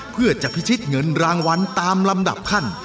เพื่อจะพิชิตเงินรางวัลตามลำดับขั้น